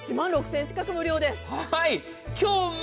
１万６０００円近く無料です。